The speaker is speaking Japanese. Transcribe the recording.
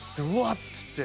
っつって。